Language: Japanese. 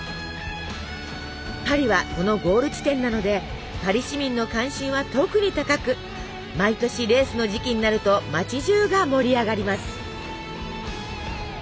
パリはそのゴール地点なのでパリ市民の関心は特に高く毎年レースの時期になると町じゅうが盛り上がります。